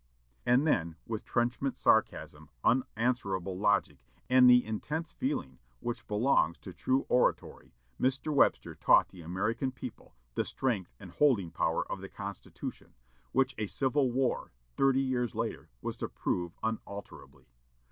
And then with trenchant sarcasm, unanswerable logic, and the intense feeling which belongs to true oratory, Mr. Webster taught the American people the strength and holding power of the Constitution, which a civil war, thirty years later, was to prove unalterably.